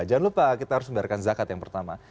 jangan lupa kita harus membayarkan zakat yang pertama